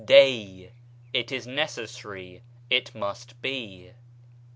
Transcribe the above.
; δεῖ, it is necessary, it must be.